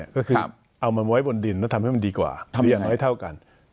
ก็คือเอามาไว้บนดินแล้วทำให้มันดีกว่าเรียนน้อยเท่ากัน